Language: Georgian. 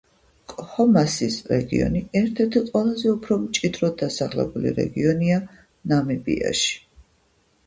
კჰომასის რეგიონი ერთ-ერთი ყველაზე უფრო მჭიდროდ დასახლებული რეგიონია ნამიბიაში.